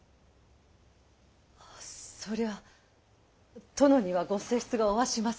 そりゃ殿にはご正室がおわします。